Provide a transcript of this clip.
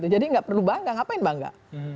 jadi gak perlu bangga ngapain bangga